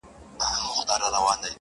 چي زر وي، زاري نسته.